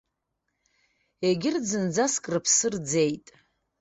Егьырҭ зынӡаск рыԥсы рӡеит.